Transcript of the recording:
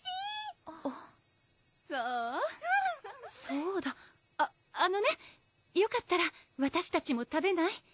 そうだああのねよかったらわたしたちも食べない？